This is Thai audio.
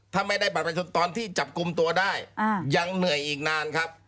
ถ้าไม่ได้บัตรประชุมตอนที่จับกลุ่มตัวได้ยังเหนื่อยอีกนานครับ